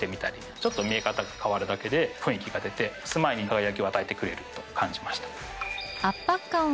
ちょっと見え方が変わるだけで雰囲気が出て住まいに輝きを与えてくれると感じました。